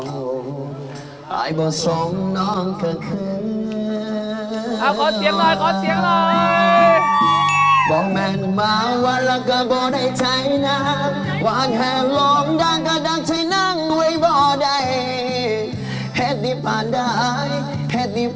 ขอเสียงหน่อยขอเสียงหน่อย